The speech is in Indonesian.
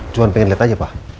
cuma pengen lihat aja pak